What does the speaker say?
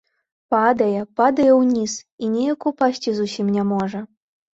Падае, падае ўніз і неяк упасці зусім не можа.